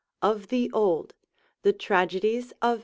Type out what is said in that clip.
Of the Old, the tragedies of